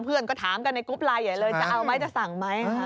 เพื่อนก็ถามกันในกรุ๊ปไลน์ใหญ่เลยจะเอาไหมจะสั่งไหม